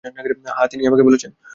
হ্যাঁ, তিনিই আমাকে বলেছেন।